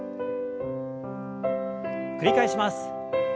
繰り返します。